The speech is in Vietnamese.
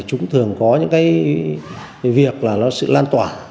chúng thường có những cái việc là nó sự lan tỏa